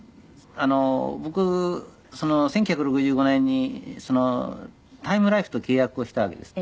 僕１９６５年にタイム・ライフと契約をしたわけです。